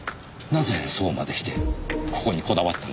なぜそうまでしてここにこだわったのでしょう？